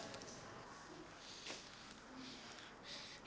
kira kira aku bakal jatuh